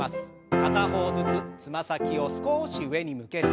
片方ずつつま先を少し上に向けて。